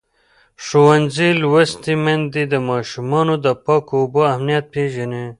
ښوونځې لوستې میندې د ماشومانو د پاکو اوبو اهمیت پېژني.